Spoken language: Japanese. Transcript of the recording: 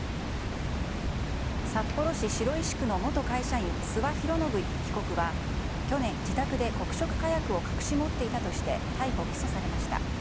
札幌市白石区の元会社員諏訪博信被告は去年、自宅で黒色火薬を隠し持っていたとして逮捕・起訴されました。